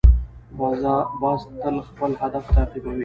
باز تل خپل هدف تعقیبوي